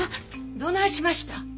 どないしました？